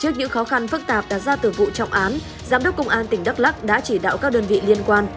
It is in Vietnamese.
trước những khó khăn phức tạp đặt ra từ vụ trọng án giám đốc công an tỉnh đắk lắc đã chỉ đạo các đơn vị liên quan